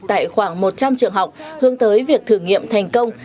tại khoảng một trăm linh trường học hướng tới việc thử nghiệm thành công